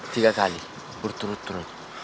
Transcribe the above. tiga kali berturut turut